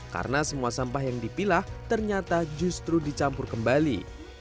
karena semua sampah yang dipilah ternyata justru dicampur kembali